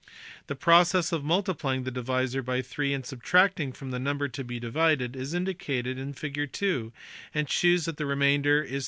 The process of multiplying the divisor by 3 and subtracting from the number to be divided is indicated in figure ii, and shews that the remainder is 3818.